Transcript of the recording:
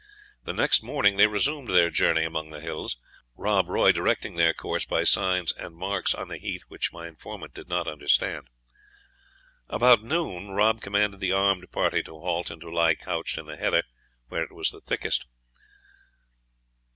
The next morning they resumed their journey among the hills, Rob Roy directing their course by signs and marks on the heath which my informant did not understand. About noon Rob commanded the armed party to halt, and to lie couched in the heather where it was thickest.